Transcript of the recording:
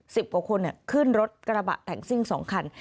สิบกว่าคนขึ้นรถกระบะแต่งซิ่งสองคัน